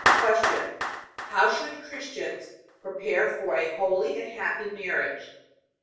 Q. How should Christians prepare for a holy and happy marriage?